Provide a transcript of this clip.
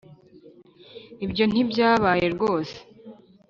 ibyo ntibyabaye rwose